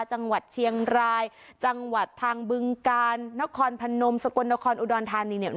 จังหวัดเชียงรายจังหวัดทางบึงกาลนครพนมสกลนครอุดรธานีเนี่ย